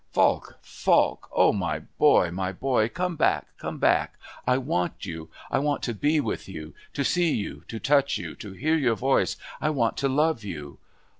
"Falk! Falk! Oh, my boy, my boy, come back, come back! I want you, I want to be with you, to see you, to touch you, to hear your voice! I want to love you!